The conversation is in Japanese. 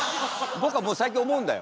僕はもう最近思うんだよ。